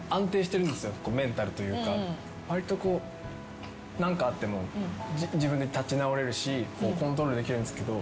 わりと何かあっても自分で立ち直れるしコントロールできるんですけど。